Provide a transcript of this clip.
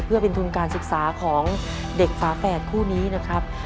เพื่อเป็นทุนการศึกษาของเด็กฝาแฝดคู่นี้นะครับ